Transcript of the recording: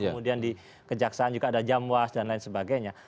kemudian di kejaksaan juga ada jamwas dan lain sebagainya